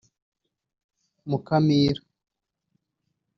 Mukamira